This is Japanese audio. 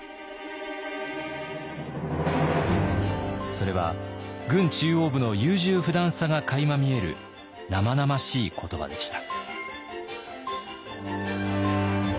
それは軍中央部の優柔不断さがかいま見える生々しい言葉でした。